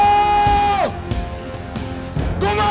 kau mau menang